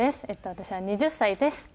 私は２０歳です。